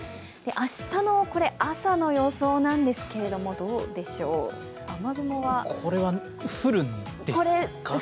明日の朝の予想なんですけれども、どうでしょう、雨雲はこれは、降るんですか？